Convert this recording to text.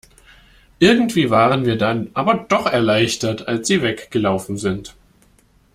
Irgendwie waren wir dann aber doch erleichtert, als sie weg gelaufen sind.